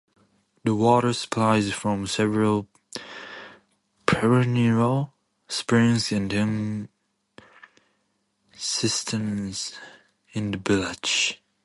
The water supply is from several perennial springs and ten cisterns in the village.